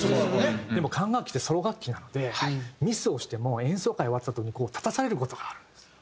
でも管楽器ってソロ楽器なのでミスをしても演奏会終わったあとに立たされる事があるんですよ。